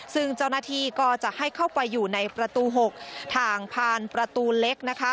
ซึ่งเจ้าหน้าที่ก็จะให้เข้าไปอยู่ในประตู๖ทางผ่านประตูเล็กนะคะ